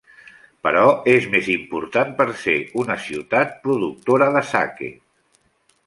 Però és més important per ser una ciutat productora de sake.